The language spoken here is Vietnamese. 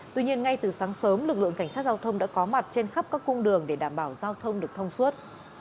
tuy nhiên ngay từ sáng sớm lực lượng cảnh sát giao thông đã có mặt trên khắp các cung đường để đảm bảo giao thông được thông suốt